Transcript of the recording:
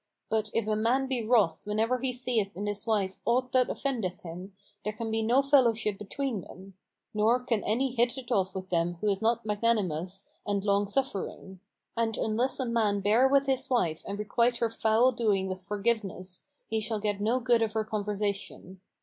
But, if a man be wroth whenever he seeth in his wife aught that offendeth him, there can be no fellowship between them; nor can any hit it off with them who is not magnanimous and long suffering; and unless a man bear with his wife and requite her foul doing with forgiveness, he shall get no good of her conversation.